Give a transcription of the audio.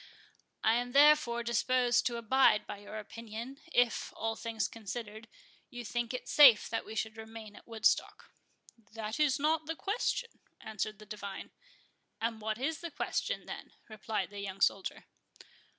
"I am therefore disposed to abide by your opinion, if, all things considered, you think it safe that we should remain at Woodstock." "That is not the question," answered the divine. "And what is the question, then?" replied the young soldier.